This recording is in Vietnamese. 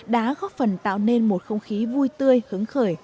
đã góp phần tạo nên một không khí vui tươi hứng khởi